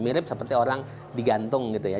mirip seperti orang digantung gitu ya